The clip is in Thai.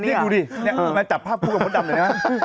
นี่ดูดินี่มันตัดภาพคู่กับมดดำได้ไหม